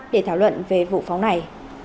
để thảo luận về vụ phóng này